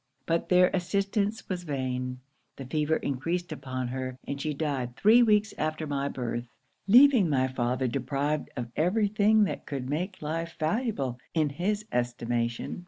But their assistance was vain; the fever encreased upon her, and she died three weeks after my birth, leaving my father deprived of every thing that could make life valuable in his estimation.